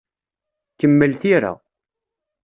Kemmel tira.